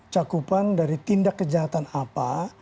cakupan dari tindak kejahatan apa